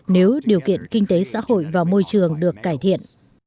nếu điều kiện kinh tế xã hội và môi trường được cải thiện